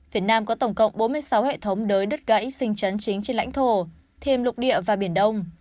việt nam có tổng cộng bốn mươi sáu hệ thống đới đứt gãy sinh chấn chính trên lãnh thổ thêm lục địa và biển đông